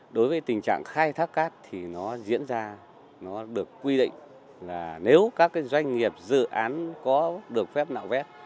đối với tình trạng khai thác cát thì nó diễn ra nó được quy định là nếu các doanh nghiệp dự án có được phép nạo vét